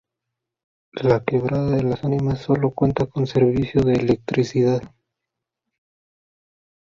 La quebrada de las Ánimas solo cuenta con servicio de electricidad.